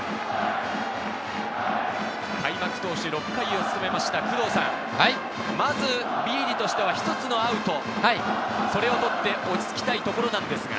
開幕投手６回を務めました工藤さん、まずビーディとしては１つのアウト、それをもって落ち着きたいところですが。